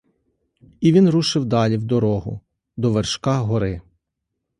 І він рушив далі в дорогу, до вершка гори.